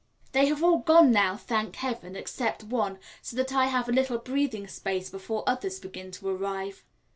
They have all gone now, thank heaven, except one, so that I have a little breathing space before others begin to arrive.